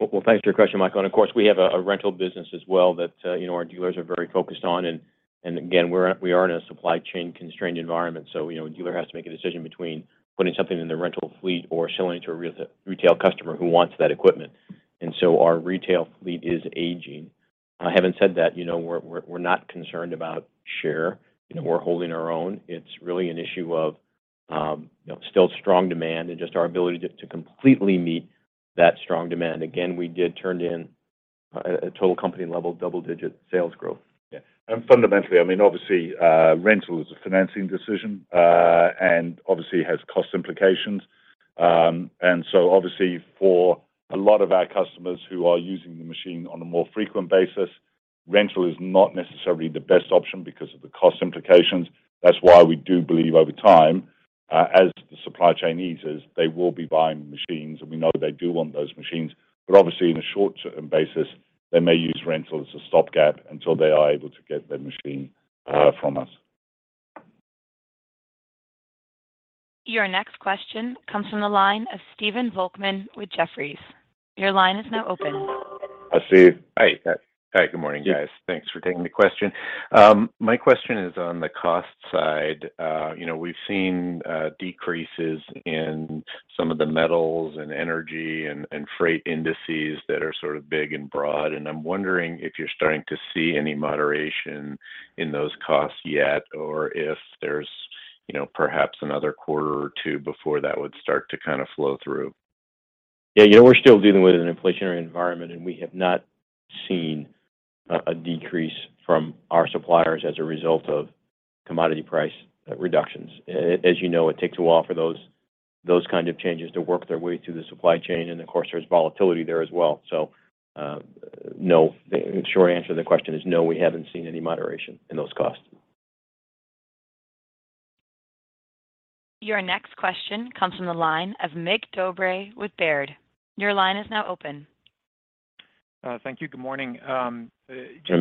Well, thanks for your question Michael. Of course, we have a rental business as well that, our dealers are very focused on. Again, we are in a supply chain constrained environment, a dealer has to make a decision between putting something in their rental fleet or selling to a retail customer who wants that equipment. Our retail fleet is aging, having said that we're not concerned about share, we're holding our own. It's really an issue of—still strong demand and just our ability to completely meet that strong demand. Again, we did turn in a total company level double-digit sales growth. Yeah. Fundamentally, I mean obviously, rental is a financing decision and obviously has cost implications. Obviously for a lot of our customers who are using the machine on a more frequent basis. Rental is not necessarily the best option because of the cost implications that's why we do believe over time, as the supply chain eases, they will be buying machines and we know they do want those machines. Obviously in the short-term basis, they may use rental as a stopgap until they are able to get their machine from us. Your next question comes from the line of Stephen Volkmann with Jefferies. Your line is now open. Hi Stephen. Hi, good morning guys. Yeah. Thanks for taking the question. My question is on the cost side, we've seen decreases in some of the metals and energy and freight indices that are sort of big and broad. I'm wondering if you're starting to see any moderation in those costs yet or if there's—perhaps another quarter or two before that would start to kind of flow through. Yeah, we're still dealing with an inflationary environment and we have not seen a decrease from our suppliers as a result of commodity price reductions. As you know, it takes a while for those kind of changes to work their way through the supply chain and of course, there's volatility there as well. No, the short answer to the question is no, we haven't seen any moderation in those costs. Your next question comes from the line of Mircea Dobre with Baird. Your line is now open. Thank you. Good morning. Hi Mircea. Just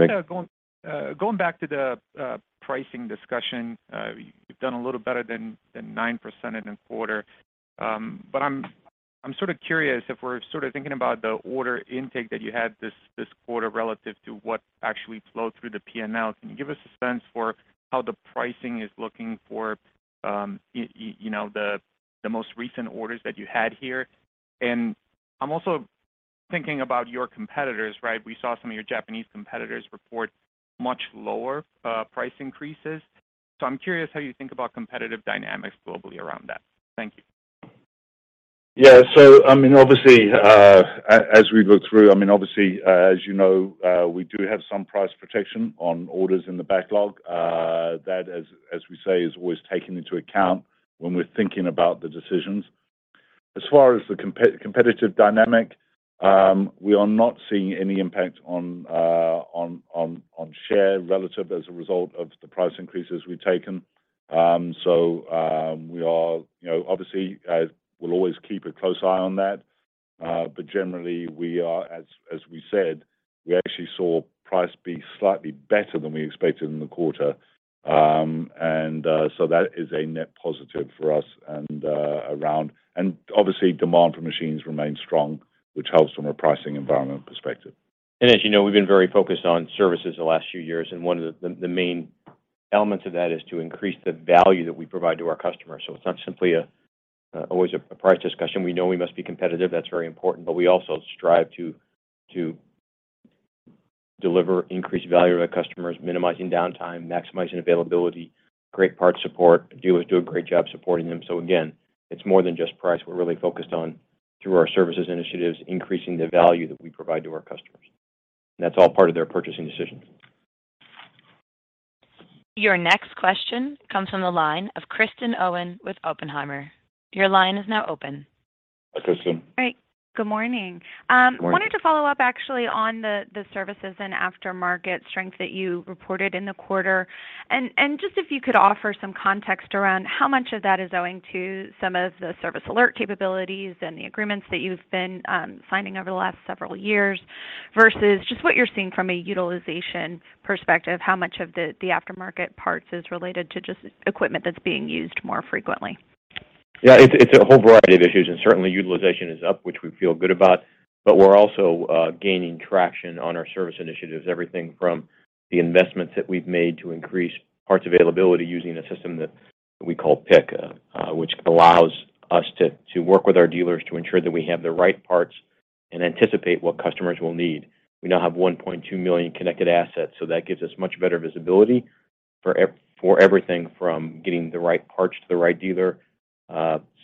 going back to the pricing discussion, you've done a little better than 9% in the quarter. I'm sort of curious if we're sort of thinking about the order intake that you had this quarter relative to what actually flowed through the P&L. Can you give us a sense for how the pricing is looking for the most recent orders that you had here? I'm also thinking about your competitors, right? We saw some of your Japanese competitors report much lower price increases. I'm curious how you think about competitive dynamics globally around that. Thank you. Yeah. I mean, obviously as we look through, I mean obviously, as you know we do have some price protection on orders in the backlog that—as we say is always taken into account when we're thinking about the decisions. As far as the competitive dynamic, we are not seeing any impact on share relative as a result of the price increases we've taken. Obviously, we'll always keep a close eye on that but generally, as we said we actually saw price be slightly better than we expected in the quarter that is a net positive for us and around. Obviously, demand for machines remains strong which helps from a pricing environment perspective. As you know, we've been very focused on services the last few years and one of the main elements of that is to increase the value that we provide to our customers. It's not simply always a price discussion. We know we must be competitive that's very important but we also strive to deliver increased value to our customers, minimizing downtime, maximizing availability, great parts support, dealers do a great job supporting them. Again, it's more than just price, we're really focused on, through our services initiatives, increasing the value that we provide to our customers. That's all part of their purchasing decision. Your next question comes from the line of Kristen Owen with Oppenheimer. Your line is now open. Hi Kristen. All right. Good morning. Good morning. Wanted to follow up actually on the services and aftermarket strength that you reported in the quarter. Just if you could offer some context around how much of that is owing to some of the service alert capabilities? And the agreements that you've been signing over the last several years versus just what you're seeing from a utilization perspective? How much of the aftermarket parts is related to just equipment that's being used more frequently? Yeah, it's a whole variety of issues and certainly utilization is up which we feel good about. We're also gaining traction on our service initiatives, everything from the investments that we've made to increase parts availability using a system that we call PIC which allows us to work with our dealers to ensure that we have the right parts and anticipate what customers will need. We now have 1.2 million connected assets so that gives us much better visibility for everything from getting the right parts to the right dealer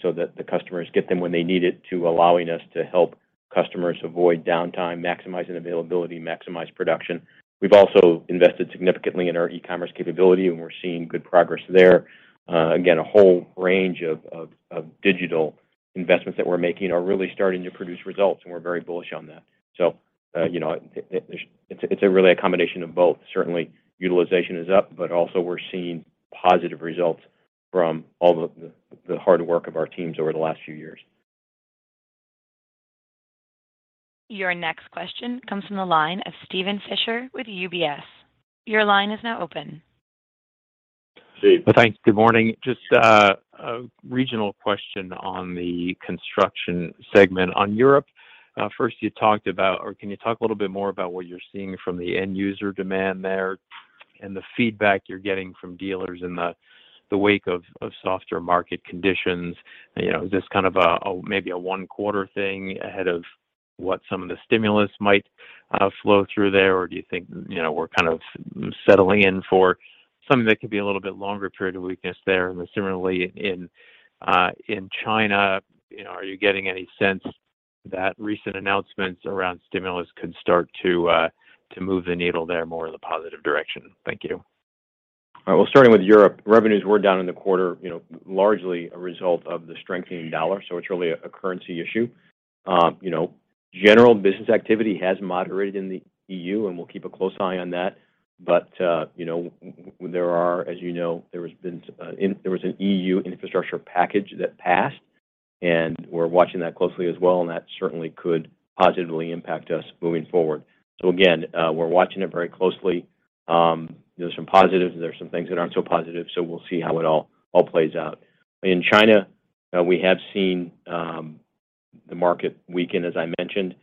so that the customers get them when they need it, to allowing us to help customers avoid downtime, maximizing availability, maximize production. We've also invested significantly in our e-commerce capability and we're seeing good progress there. Again, a whole range of digital investments that we're making are really starting to produce results and we're very bullish on that, it's really a combination of both. Certainly utilization is up but also we're seeing positive results from all the hard work of our teams over the last few years. Your next question comes from the line of Steven Fisher with UBS. Your line is now open. Steve. Thanks, good morning. Just a regional question on the construction segment. On Europe, can you talk a little bit more about what you're seeing from the end user demand there and the feedback you're getting from dealers in the wake of softer market conditions? Is this kind of a maybe a one-quarter thing ahead of what some of the stimulus might flow through there? Or do you think we're kind of settling in for something that could be a little bit longer period of weakness there? Then similarly in China, are you getting any sense that recent announcements around stimulus could start to move the needle there more in the positive direction? Thank you. All right. Well, starting with Europe, revenues were down in the quarter, largely a result of the strengthening U.S. dollar so it's really a currency issue. General business activity has moderated in the EU and we'll keep a close eye on that. There are—as you know, there was an EU infrastructure package that passed and we're watching that closely as well and that certainly could positively impact us moving forward. Again, we're watching it very closely. There's some positives and there's some things that aren't so positive, so we'll see how it all plays out. In China, we have seen the market weaken as I mentioned.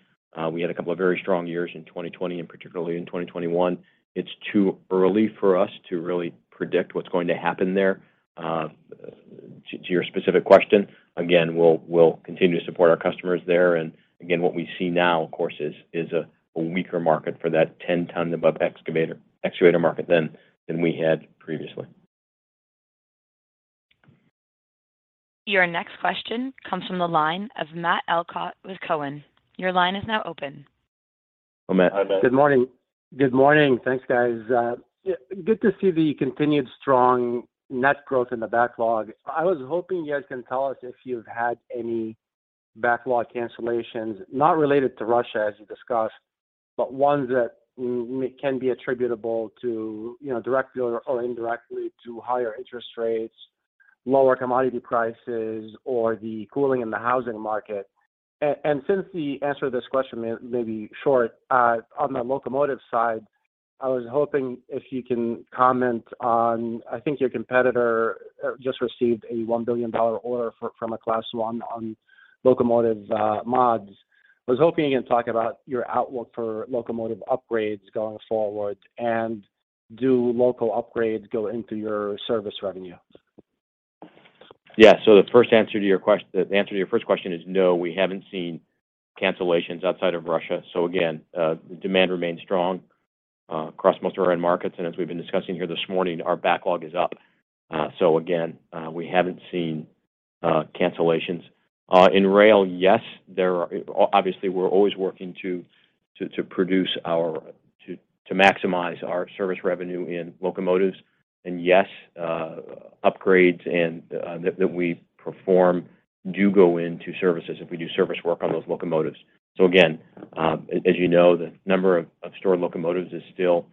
We had a couple of very strong years in 2020 and particularly in 2021. It's too early for us to really predict what's going to happen there. To your specific question, again we'll continue to support our customers there. Again, what we see now, of course is a weaker market for that 10 ton above excavator market than we had previously. Your next question comes from the line of Matt Elkott with TD Cowen. Your line is now open. Hi Matt. Good morning. Good morning, thanks guys. Good to see the continued strong net growth in the backlog. I was hoping you guys can tell us if you've had any backlog cancellations, not related to Russia as you discussed but ones that can be attributable to directly or indirectly to higher interest rates, lower commodity prices, or the cooling in the housing market. Since the answer to this question may be short, on the locomotive side, I was hoping you can comment on, I think your competitor just received a $1 billion order from a Class I on locomotive mods. I was hoping you can talk about your outlook for locomotive upgrades going forward and do locomotive upgrades go into your service revenue? Yeah. The first answer to your question is no, we haven't seen cancellations outside of Russia. Again, the demand remains strong across most of our end markets. As we've been discussing here this morning, our backlog is up. Again, we haven't seen cancellations. In rail, yes obviously, we're always working to maximize our service revenue in locomotives. Yes, upgrades and that we perform do go into services if we do service work on those locomotives. Again, as you know the number of stored locomotives is still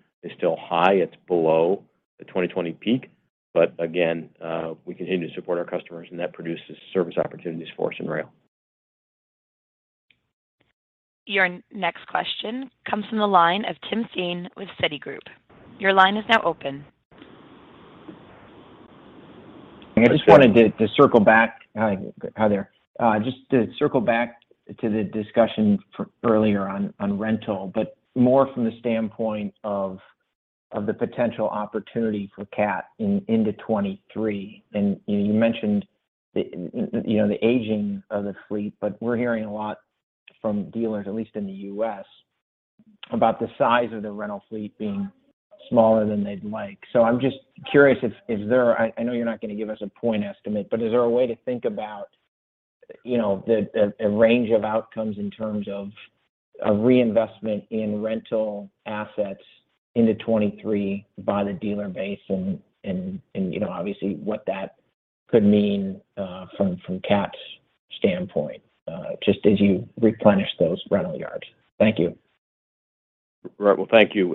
high. It's below the 2020 peak. Again, we continue to support our customers and that produces service opportunities for us in rail. Your next question comes from the line of Tim Thein with Citigroup. Your line is now open. Yes, go ahead. I just wanted to circle back, hi there. Just to circle back to the discussion earlier on rental but more from the standpoint of the potential opportunity for Cat into 2023. You mentioned the aging of the fleet but we're hearing a lot from dealers at least in the U.S., about the size of the rental fleet being smaller than they'd like. I'm just curious if there is a way to think about the range of outcomes in terms of a reinvestment in rental assets into 2023 by the dealer base and obviously what that could mean from Cat's standpoint just as you replenish those rental yards? Thank you. Right. Well, thank you.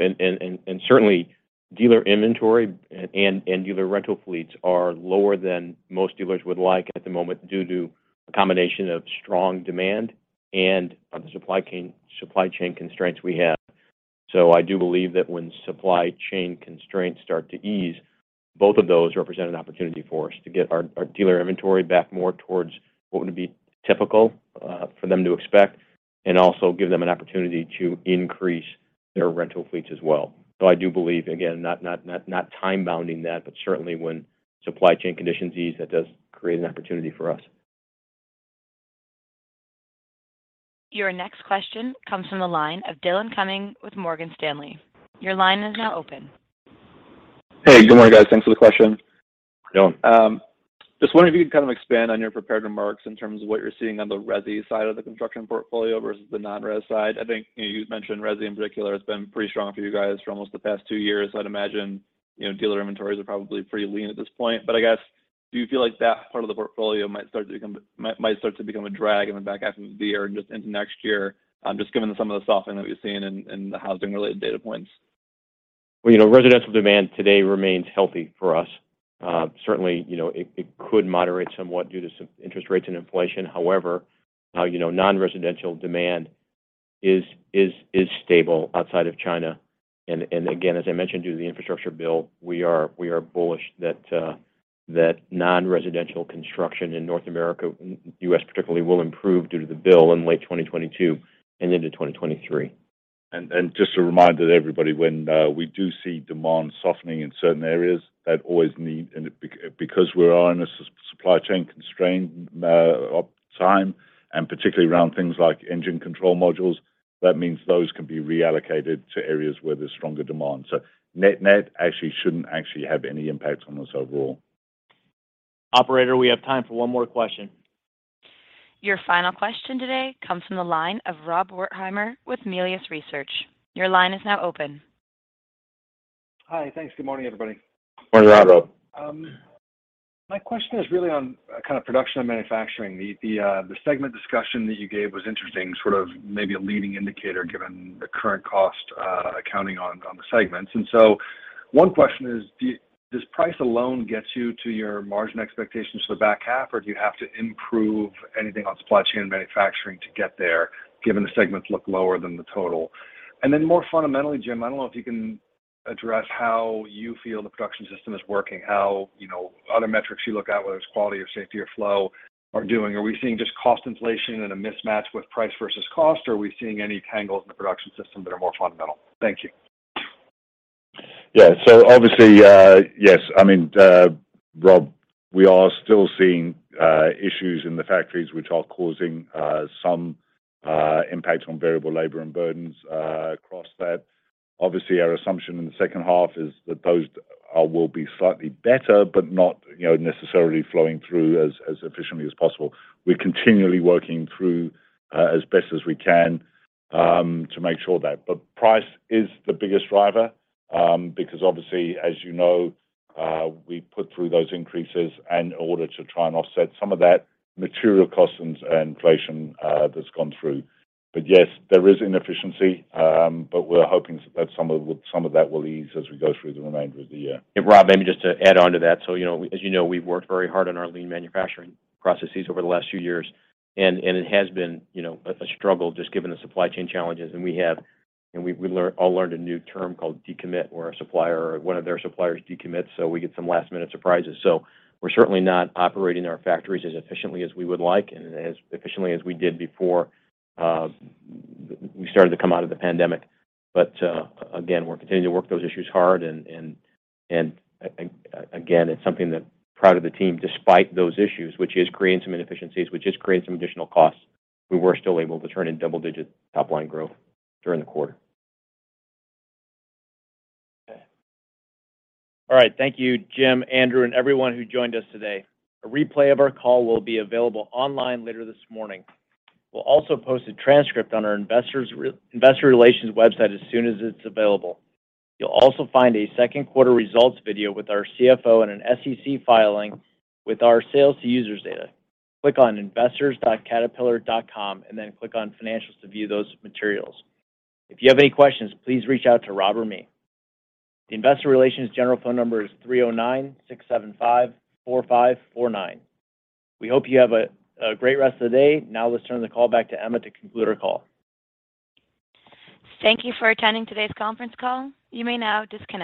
Certainly dealer inventory and dealer rental fleets are lower than most dealers would like at the moment due to a combination of strong demand and the supply chain constraints we have. So I do believe that when supply chain constraints start to ease, both of those represent an opportunity for us to get our dealer inventory back more towards what would be typical for them to expect and also give them an opportunity to increase their rental fleets as well. So I do believe again, not time-bounding that but certainly when supply chain conditions ease that does create an opportunity for us. Your next question comes from the line of Dillon Cumming with Morgan Stanley. Your line is now open. Hey, good morning guys, thanks for the question. Dillon. Just wondering if you could kind of expand on your prepared remarks in terms of what you're seeing on the resi side of the construction portfolio versus the non-resi side. I think, you'd mentioned resi in particular has been pretty strong for you guys for almost the past two years. I'd imagine, dealer inventories are probably pretty lean at this point. But I guess, do you feel like that part of the portfolio might start to become a drag in the back half of the year and just into next year, just given some of the softening that we've seen in the housing related data points? Well, residential demand today remains healthy for us. Certainly, it could moderate somewhat due to some interest rates and inflation. However, non-residential demand is stable outside of China. Again, as I mentioned due to the infrastructure bill, we are bullish that non-residential construction in North America, in U.S. particularly will improve due to the bill in late 2022 and into 2023. Just a reminder to everybody when we do see demand softening in certain areas. Because we are in a supply-chain-constrained uptime and particularly around things like engine control modules that means those can be reallocated to areas where there's stronger demand. Net-net actually shouldn't actually have any impact on us overall. Operator, we have time for one more question. Your final question today comes from the line of Rob Wertheimer with Melius Research. Your line is now open. Hi, thanks. Good morning everybody. Morning Rob. My question is really on kind of production and manufacturing. The segment discussion that you gave was interesting, sort of maybe a leading indicator given the current cost accounting on the segments. One question is does price alone get you to your margin expectations for the back half or do you have to improve anything on supply chain and manufacturing to get there given the segments look lower than the total? Then more fundamentally, Jim I don't know if you can address how you feel the production system is working how—other metrics you look at whether it's quality or safety or flow are doing. Are we seeing just cost inflation and a mismatch with price versus cost or are we seeing any tangles in the production system that are more fundamental? Thank you. Yeah. Obviously, yes, I mean Rob, we are still seeing issues in the factories which are causing some impact on variable labor and burdens across that. Obviously, our assumption in the second half is that those will be slightly better but not necessarily flowing through as efficiently as possible. We're continually working through as best as we can to make sure of that. But price is the biggest driver because obviously, as you know, we put through those increases in order to try and offset some of that material costs and inflation that's gone through. But yes, there is inefficiency but we're hoping that some of that will ease as we go through the remainder of the year. Rob, maybe just to add on to that. So, as you know, we've worked very hard on our lean manufacturing processes over the last few years, and it has been a struggle just given the supply chain challenges we had. We all learned a new term called decommit where a supplier or one of their suppliers decommits, so we get some last-minute surprises. So we're certainly not operating our factories as efficiently as we would like and as efficiently as we did before we started to come out of the pandemic. Again, we're continuing to work those issues hard and again, it's something that I'm proud of the team despite those issues which is creating some inefficiencies, which is creating some additional costs. We were still able to turn in double-digit top-line growth during the quarter. All right. Thank you Jim, Andrew, and everyone who joined us today. A replay of our call will be available online later this morning. We'll also post a transcript on our investor relations website as soon as it's available. You'll also find a second quarter results video with our CFO and an SEC filing with our sales to users data. Click on investors.caterpillar.com and then click on Financials to view those materials. If you have any questions, please reach out to Rob or me. The investor relations general phone number is 309-675-4549. We hope you have a great rest of the day. Now let's turn the call back to Emma to conclude our call. Thank you for attending today's conference call. You may now disconnect.